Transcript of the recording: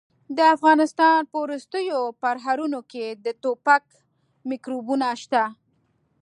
د افغانستان په ورستو پرهرونو کې د ټوپک میکروبونه شته.